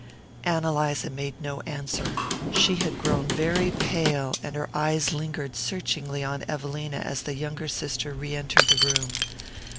Ann Eliza made no answer. She had grown very pale, and her eyes lingered searchingly on Evelina as the younger sister re entered the room.